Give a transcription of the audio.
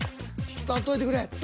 伝わっといてくれ。